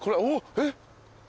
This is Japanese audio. えっ！